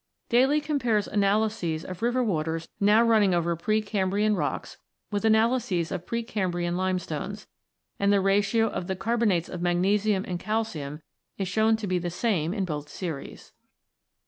Daly compares analyses of river waters now running over pre Cambrian rocks with analyses of pre Cambrian limestones, and the ratio of the carbon ates of magnesium and calcium is shown to be the same in both series.